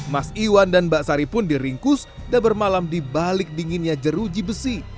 mas iwan dan mbak sari pun diringkus dan bermalam di balik dinginnya jeruji besi